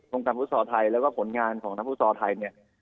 โรงการพุทธศาสตร์ไทยแล้วก็ผลงานของนักพุทธศาสตร์ไทยเนี่ย